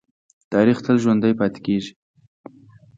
تاریخ تل ژوندی پاتې کېږي.